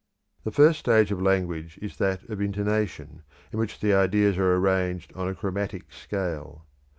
The first stage of language is that of intonation, in which the ideas are arranged on a chromatic scale.